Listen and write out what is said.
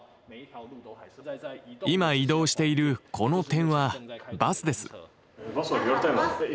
今移動しているこの点はバスです。